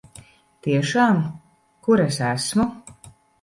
Tiešām? Kur es esmu?